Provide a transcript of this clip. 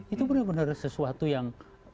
itu benar benar sesuatu yang